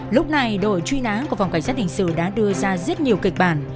lúc này đội truy nã của phòng cảnh sát hình sự đã đưa ra rất nhiều kịch bản